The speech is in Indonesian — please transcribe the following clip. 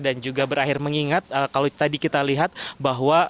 juga berakhir mengingat kalau tadi kita lihat bahwa